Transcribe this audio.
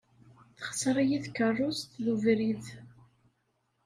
Texser-iyi tkeṛṛust d ubrid.